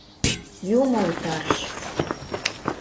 Юмо утарыш!